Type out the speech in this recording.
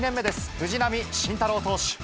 藤浪晋太郎投手。